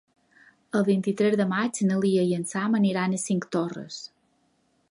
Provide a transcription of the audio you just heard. El vint-i-tres de maig na Lia i en Sam aniran a Cinctorres.